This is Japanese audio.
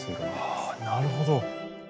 ああなるほど！